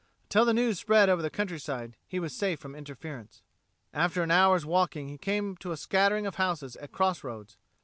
Until the news spread over the countryside he was safe from interference. After an hour's walking he came to a scattering of houses at a cross roads.